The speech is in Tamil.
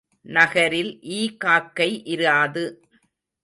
நகரில் ஈ காக்கை இராது.